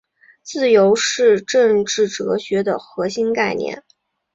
自由是政治哲学的核心概念。